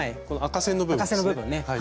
この赤線の部分ですね。